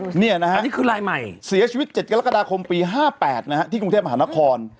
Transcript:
อันนี้คือลายใหม่เสียชีวิต๗กรกฎาคมปี๕๘นะฮะที่กรุงเทพมหานคร